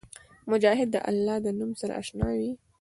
مجاهد د الله د نوم سره اشنا وي.